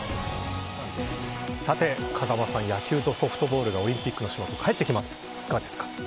さて風間さん野球とソフトボールがオリンピックの種目に帰ってきます。